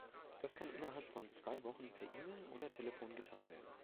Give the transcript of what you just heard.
Das kann innerhalb von zwei Wochen per E-Mail oder Telefon getan werden.